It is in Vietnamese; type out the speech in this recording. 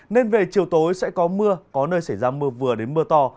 nên về chiều tối sẽ có mưa có nơi xảy ra mưa vừa đến mưa to